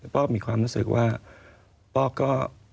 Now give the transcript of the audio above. ป้อมีความรู้สึกว่าป้อก็